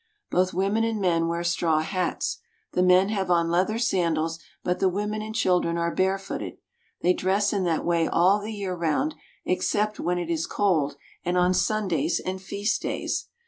Both women and men wear straw hats. The men have on leather sandals, but the women and children are barefooted. They dress in that way all the year round, except when it is cold and on Sundays and feast days.